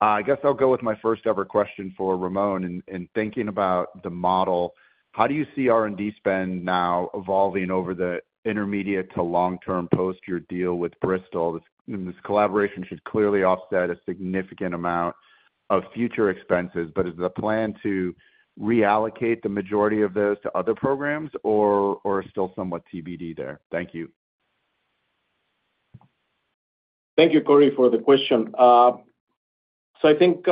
I guess I'll go with my first ever question for Ramón. In thinking about the model, how do you see R&D spend now evolving over the intermediate to long-term post your deal with Bristol Myers Squibb? This collaboration should clearly offset a significant amount of future expenses, but is the plan to reallocate the majority of those to other programs or is still somewhat TBD there? Thank you. Thank you, Cory, for the question. I think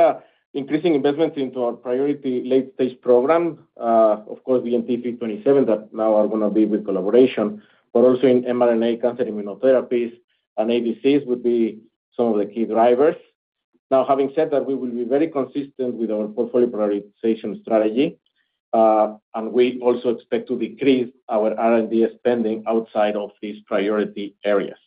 increasing investments into our priority late-stage program, of course, BNT327 that now are going to be with collaboration, but also in mRNA cancer immunotherapies and ADCs would be some of the key drivers. Having said that, we will be very consistent with our portfolio prioritization strategy, and we also expect to decrease our R&D spending outside of these priority areas.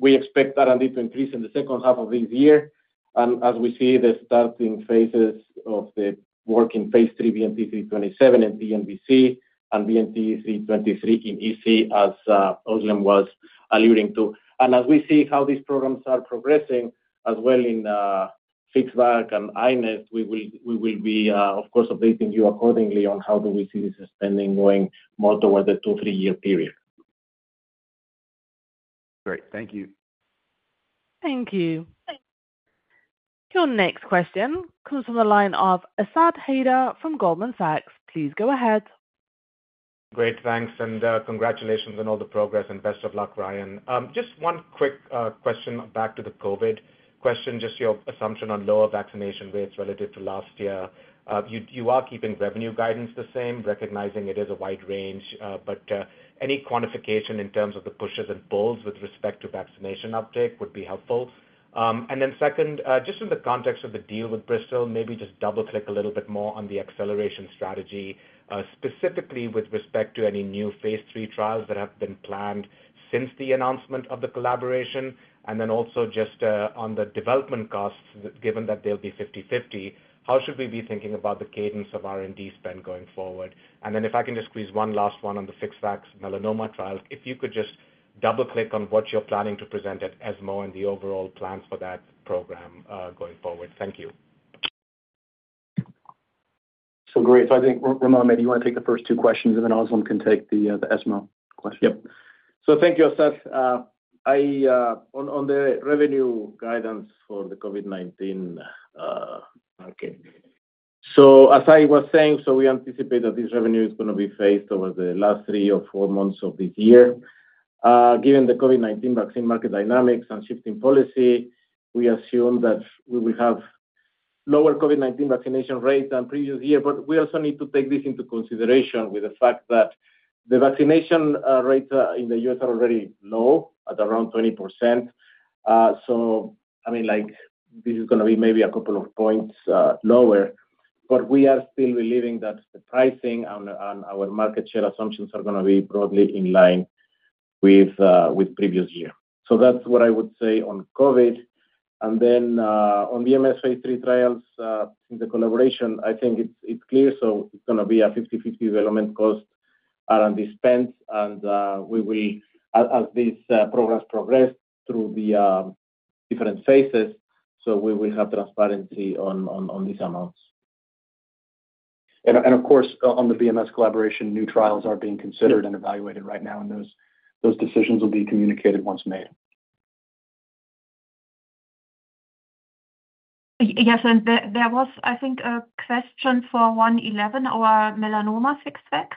We expect R&D to increase in the second half of this year. As we see the starting phases of the work in phase III BNT327 in TNBC and BNT323 in EC, as Özlem was alluding to, and as we see how these programs are progressing as well in FixVac and iNeST, we will be, of course, updating you accordingly on how we see this spending going more towards the two to three-year period. Great. Thank you. Thank you. Your next question comes from the line of Asad Haider from Goldman Sachs. Please go ahead. Great, thanks. Congratulations on all the progress and best of luck, Ryan. Just one quick question back to the COVID question, just your assumption on lower vaccination rates relative to last year. You are keeping revenue guidance the same, recognizing it is a wide range, but any quantification in terms of the pushes and pulls with respect to vaccination uptake would be helpful. In the context of the deal with Bristol, maybe just double-click a little bit more on the acceleration strategy, specifically with respect to any new phase III trials that have been planned since the announcement of the collaboration. Also, just on the development costs, given that they'll be 50-50, how should we be thinking about the cadence of R&D spend going forward? If I can just squeeze one last one on the FixVac melanoma trial, if you could just double-click on what you're planning to present at ESMO and the overall plans for that program going forward. Thank you. Great. I think, Ramón, maybe you want to take the first two questions, and then Özlem can take the ESMO question. Thank you, Asad. On the revenue guidance for the COVID-19 market, as I was saying, we anticipate that this revenue is going to be phased over the last three or four months of the year. Given the COVID-19 vaccine market dynamics and shifting policy, we assume that we will have lower COVID-19 vaccination rates than the previous year. We also need to take this into consideration with the fact that the vaccination rates in the U.S. are already low at around 20%. This is going to be maybe a couple of points lower, but we are still believing that the pricing and our market share assumptions are going to be broadly in line with the previous year. That is what I would say on COVID. On the BMS phase III trials, the collaboration, I think it's clear. It is going to be a 50-50 development cost R&D spends, and as these programs progress through the different phases, we will have transparency on these amounts. Of course, on the BMS collaboration, new trials are being considered and evaluated right now, and those decisions will be communicated once made. Yes. There was, I think, a question for 111, our melanoma FixVac,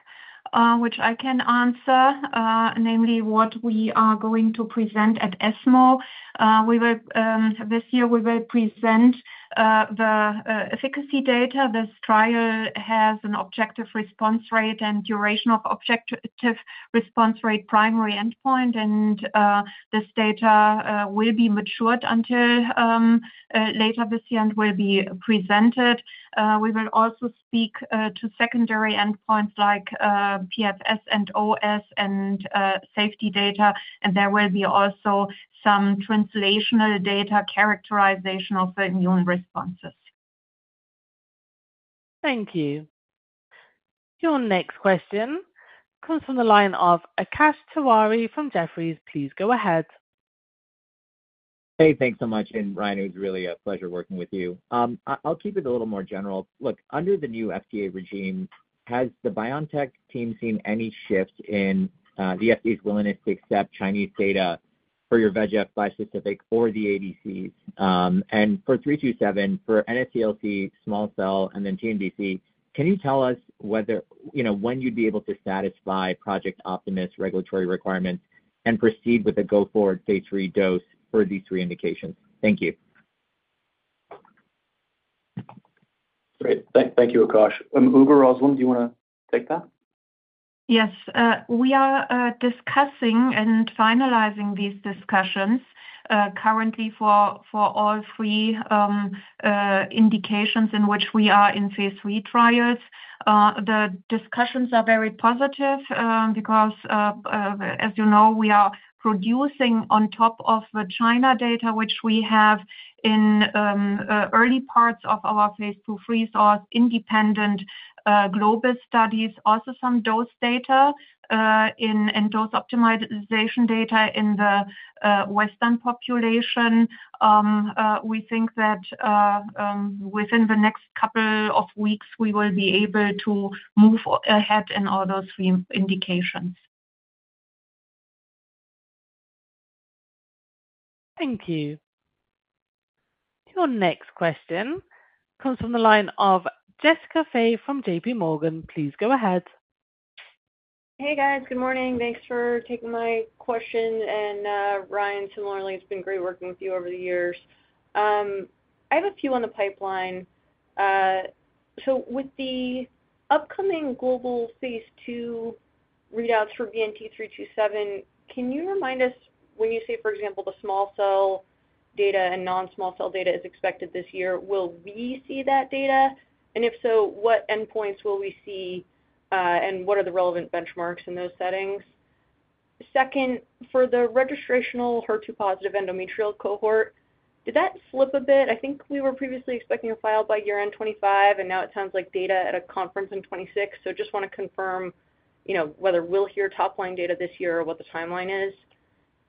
which I can answer, namely what we are going to present at ESMO. This year, we will present the efficacy data. This trial has an objective response rate and duration of objective response rate primary endpoint. This data will be matured until later this year and will be presented. We will also speak to secondary endpoints like PFS and OS and safety data. There will be also some translational data characterization of the immune responses. Thank you. Your next question comes from the line of Akash Tewari from Jefferies. Please go ahead. Hey, thanks so much. Ryan, it was really a pleasure working with you. I'll keep it a little more general. Under the new FDA regime, has the BioNTech team seen any shift in the FDA's willingness to accept Chinese data for your VEGF bispecific for the ADCs? For BNT327, for NSCLC, small cell, and then TNBC, can you tell us whether, you know, when you'd be able to satisfy Project Optimus regulatory requirements and proceed with the go-forward phase III dose for these three indications? Thank you. Great. Thank you, Akash. Ugur, Özlem, do you want to take that? Yes. We are discussing and finalizing these discussions currently for all three indications in which we are in phase III trials. The discussions are very positive because, as you know, we are producing on top of the China data, which we have in early parts of our phase II freeze or independent global studies, also some dose data and dose optimization data in the Western population. We think that within the next couple of weeks, we will be able to move ahead in all those three indications. Thank you. Your next question comes from the line of Jessica Fye from JPMorgan. Please go ahead. Hey, guys. Good morning. Thanks for taking my question. Ryan, similarly, it's been great working with you over the years. I have a few on the pipeline. With the upcoming global phase II readouts for BNT327, can you remind us when you say, for example, the small cell data and non-small cell data is expected this year, will we see that data? If so, what endpoints will we see and what are the relevant benchmarks in those settings? For the registrational HER2-positive endometrial cohort, did that slip a bit? I think we were previously expecting a file by year end 2025, and now it sounds like data at a conference in 2026. I just want to confirm whether we'll hear top-line data this year or what the timeline is.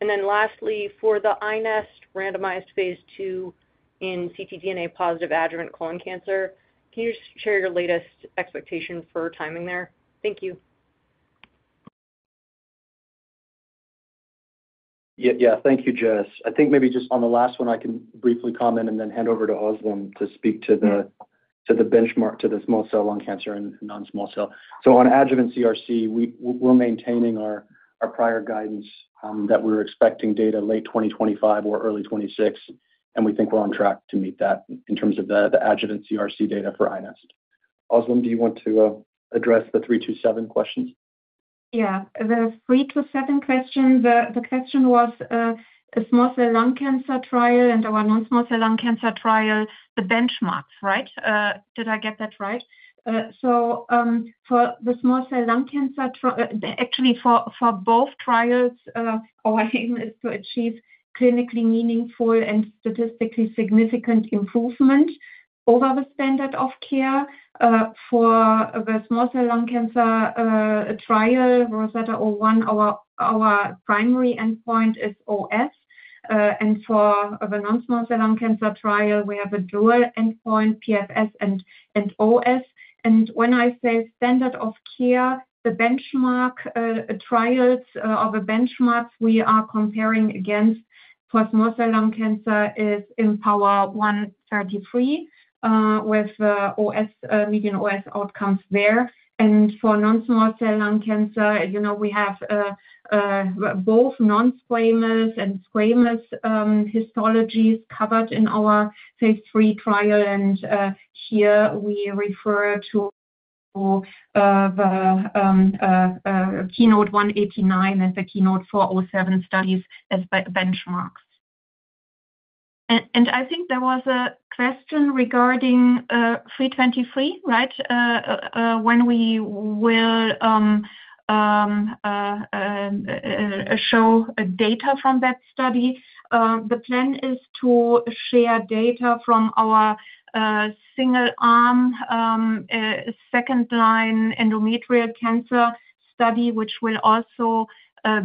Lastly, for the iNeST randomized phase II in ctDNA positive adjuvant colon cancer, can you just share your latest expectation for timing there? Thank you. Yeah, yeah. Thank you, Jess. I think maybe just on the last one, I can briefly comment and then hand over to Özlem to speak to the benchmark to the small cell lung cancer and non-small cell. On adjuvant CRC, we're maintaining our prior guidance that we're expecting data late 2025 or early 2026, and we think we're on track to meet that in terms of the adjuvant CRC data for iNeST. Özlem, do you want to address the 327 question? Yeah. The 327 question, the question was a small cell lung cancer trial and our non-small cell lung cancer trial, the benchmarks, right? Did I get that right? For the small cell lung cancer trial, actually, for both trials, our aim is to achieve clinically meaningful and statistically significant improvement over the standard of care. For the small cell lung cancer trial, ROSETTA-01, our primary endpoint is OS. For the non-small cell lung cancer trial, we have a dual endpoint, PFS and OS. When I say standard of care, the benchmark trials or the benchmarks we are comparing against for small cell lung cancer is IMpower133 with median OS outcomes there. For non-small cell lung cancer, we have both non-squamous and squamous histologies covered in our phase III trial. Here we refer to the KEYNOTE-189 and the KEYNOTE-407 studies as benchmarks. I think there was a question regarding 323, right? When we will show data from that study, the plan is to share data from our single-arm second-line endometrial cancer study, which will also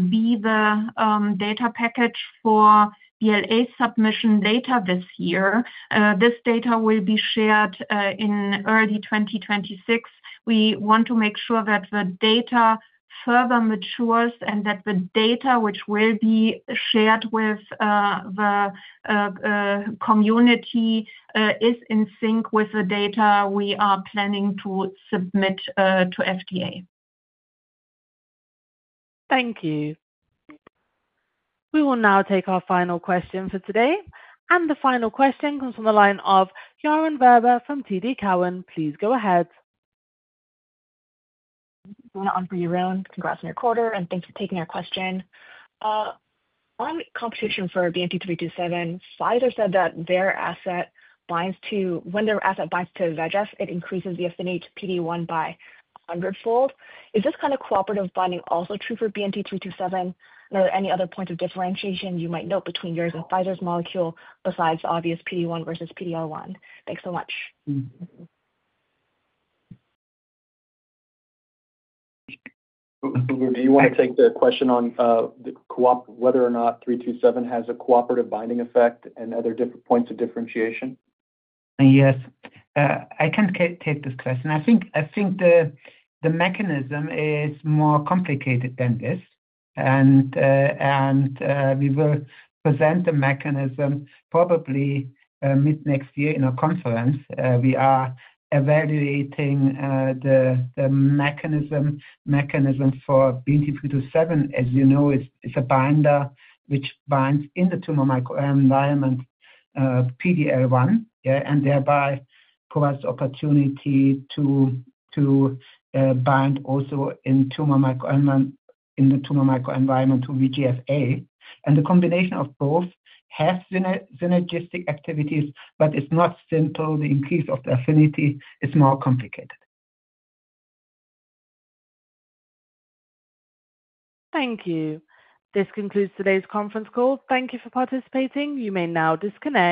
be the data package for BLA submission later this year. This data will be shared in early 2026. We want to make sure that the data further matures and that the data which will be shared with the community is in sync with the data we are planning to submit to FDA. Thank you. We will now take our final question for today. The final question comes from the line of Yaron Werber from TD Cowen. Please go ahead. Good morning. On for you, Yaron. Congrats on your quarter and thanks for taking our question. On competition for BNT327, Pfizer said that their asset binds to VEGF-A, it increases the estimated PD-L1 by 100-fold. Is this kind of cooperative binding also true for BNT327? Are there any other points of differentiation you might note between yours and Pfizer's molecule besides the obvious PD-L1 versus PD-L1? Thanks so much. Ugur, do you want to take the question on whether or not 327 has a cooperative binding effect and other different points of differentiation? Yes. I can take this question. I think the mechanism is more complicated than this. We will present the mechanism probably mid-next year in a conference. We are evaluating the mechanism for BNT327. As you know, it's a binder which binds in the tumor microenvironment PD-L1, and thereby provides the opportunity to bind also in the tumor microenvironment to VEGF-A. The combination of both has synergistic activities, but it's not simple. The increase of the affinity is more complicated. Thank you. This concludes today's conference call. Thank you for participating. You may now disconnect.